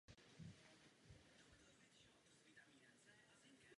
Jedná se o uhelné elektrárny využívající hnědé uhlí z blízké hnědouhelné pánve.